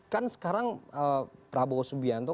kan sekarang prabowo subianto